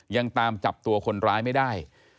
ยังตามจับตัวคนร้ายไม่ได้